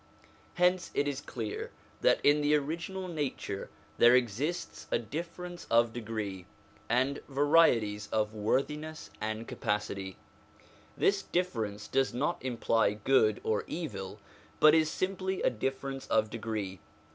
Hence it is clear that in the original nature there exists a difference of degree, and varieties 247 248 SOME ANSWERED QUESTIONS of worthiness and capacity. This difference does not imply good or evil, but is simply a difference of degree.